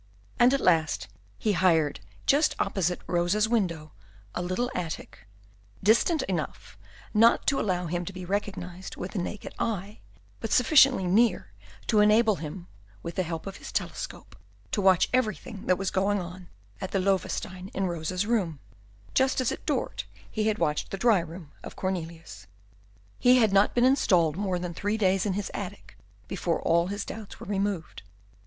And at last he hired, just opposite Rosa's window, a little attic, distant enough not to allow him to be recognized with the naked eye, but sufficiently near to enable him, with the help of his telescope, to watch everything that was going on at the Loewestein in Rosa's room, just as at Dort he had watched the dry room of Cornelius. He had not been installed more than three days in his attic before all his doubts were removed.